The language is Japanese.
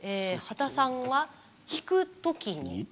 刄田さんは「引く時に」。